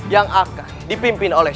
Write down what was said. yang akan dipimpin oleh